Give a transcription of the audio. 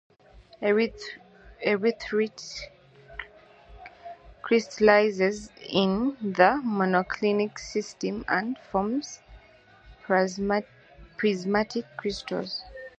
Erythrite crystallizes in the monoclinic system and forms prismatic crystals.